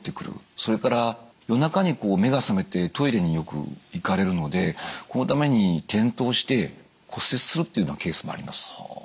それから夜中に目が覚めてトイレによく行かれるのでこのために転倒して骨折するというケースもあります。